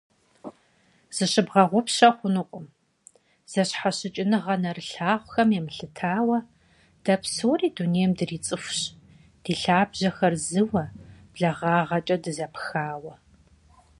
Зыщыбгъэгъупщэ хъунукъым: зэщхьэщыкӀыныгъэ нэрылъагъухэм емылъытауэ, дэ псори дунейм дрицӀыхущ, ди лъабжьэхэр зыуэ, благъагъэкӀэ дызэпхауэ.